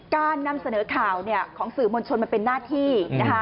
การนำเสนอข่าวของสื่อมวลชนมันเป็นหน้าที่นะคะ